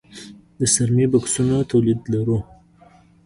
د څرمي بکسونو تولید لرو؟